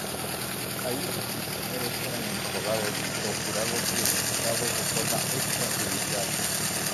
Ahí los prisioneros eran interrogados, torturados y ejecutados de forma extrajudicial.